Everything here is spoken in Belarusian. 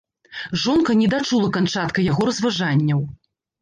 Жонка не дачула канчатка яго разважанняў.